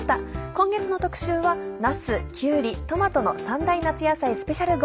今月の特集はなすきゅうりトマトの３大夏野菜スペシャル号。